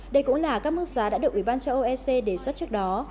đây cũng là các mức giá đã được ủy ban châu âu ec đề xuất trước đó